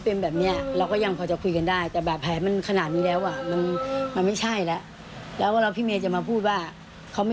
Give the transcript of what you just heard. แต่ที่เราเห็นผ่านมามันไม่มีอะไรเราก็เออโอเค